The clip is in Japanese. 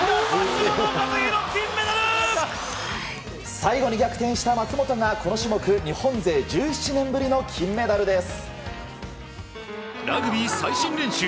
最後に逆転した松元がこの種目日本勢１７年ぶりの金メダルです。